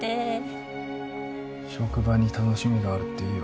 職場に楽しみがあるっていいよ。